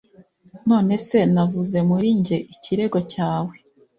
none se, navuze muri njye. ikirego cyawe